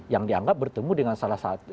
yang dianggap bertemu dengan salah satu